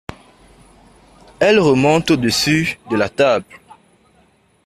Elle remonte au-dessus de la table.